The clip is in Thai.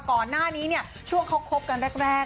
ก่อนหน้านี้เนี่ยช่วงเขาคบกันแรก